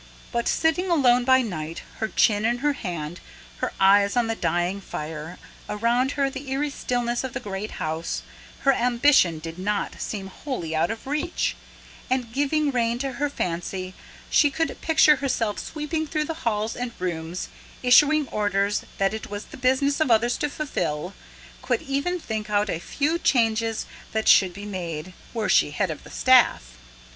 But sitting alone by night, her chin in her hand, her eyes on the dying fire, around her the eerie stillness of the great house, her ambition did not seem wholly out of reach; and, giving rein to her fancy, she could picture herself sweeping through halls and rooms, issuing orders that it was the business of others to fulfil, could even think out a few changes that should be made, were she head of the staff.